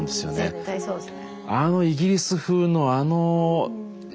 絶対そうですね。